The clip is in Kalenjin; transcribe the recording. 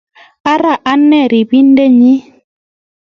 Ara ane ribindenyi